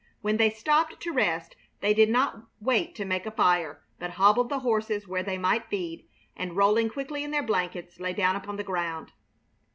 When they stopped to rest they did not wait to make a fire, but hobbled the horses where they might feed, and, rolling quickly in their blankets, lay down upon the ground.